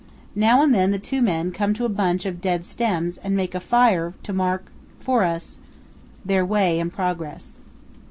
Now and then the two men come to a bunch of dead stems and make a fire to mark for us their way and progress.